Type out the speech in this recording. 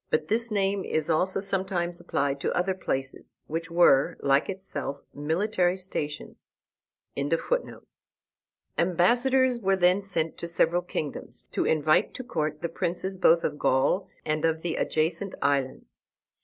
But this name is also sometimes applied to other places, which were, like itself, military stations.] Ambassadors were then sent into several kingdoms, to invite to court the princes both of Gaul and of the adjacent islands.